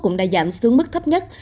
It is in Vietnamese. cũng đã giảm xuống mức thấp nhất